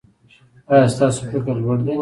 ایا ستاسو فکر لوړ دی؟